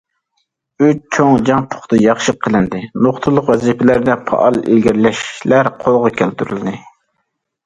ئۈچ چوڭ جەڭ پۇختا ياخشى قىلىندى نۇقتىلىق ۋەزىپىلەردە پائال ئىلگىرىلەشلەر قولغا كەلتۈرۈلدى.